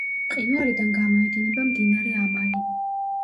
მყინვარიდან გამოედინება მდინარე ამალი.